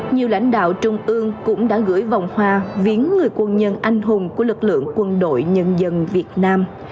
nhiều lãnh đạo trung ương cũng đã gửi vòng hoa viến người quân nhân anh hùng của lực lượng quân đội nhân dân việt nam